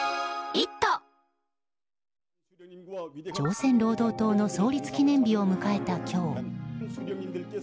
朝鮮労働党の創立記念日を迎えた今日。